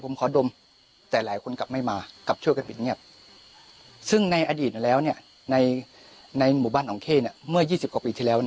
เมื่อ๒๐กว่าปีที่แล้วเนี่ย